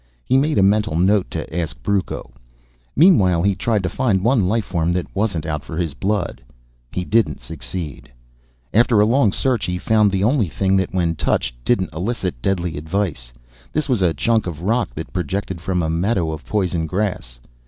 He made a mental note to ask Brucco. Meanwhile he tried to find one life form that wasn't out for his blood. He didn't succeed. After a long search he found the only thing that when touched didn't elicit deadly advice. This was a chunk of rock that projected from a meadow of poison grass.